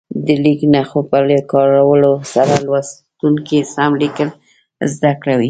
د لیک نښو په کارولو سره لوستونکي سم لیکل زده کوي.